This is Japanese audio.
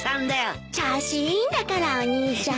調子いいんだからお兄ちゃん。